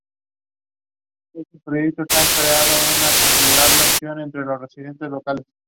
Ha participado en musicales como "Rebecca".